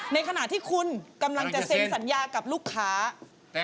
ในขณะที่คุณกำลังจะเซ็นสัญญากับลูกค้า